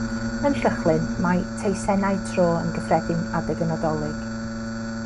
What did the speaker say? Yn Llychlyn mae teisennau tro yn gyffredin adeg y Nadolig.